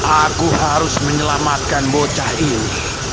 aku harus menyelamatkan bocah ini